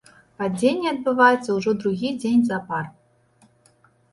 Падзенне адбываецца ўжо другі дзень запар.